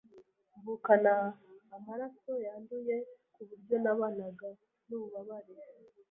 mvukana amaraso yanduye ku buryo nabanaga n’ububabare